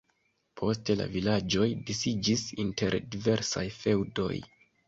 Poste la vilaĝoj disiĝis inter diversaj feŭdoj.